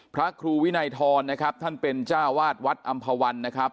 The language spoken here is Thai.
พระครูวินัยทรนะครับท่านเป็นจ้าวาดวัดอำภาวันนะครับ